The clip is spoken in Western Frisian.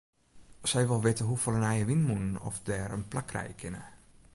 Sy wol witte hoefolle nije wynmûnen oft dêr in plak krije kinne.